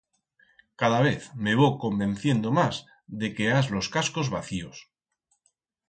Cada vez me vo convenciendo mas de que has los cascos vacíos.